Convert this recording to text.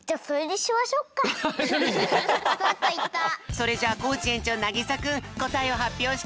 それじゃあコージ園長なぎさくんこたえをはっぴょうして！